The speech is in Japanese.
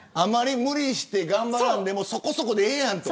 無理して頑張らんでもそこそこでええやんと。